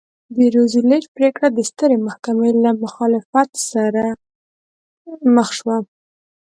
د روزولټ پرېکړه د سترې محکمې له مخالفت سره مخ شوه.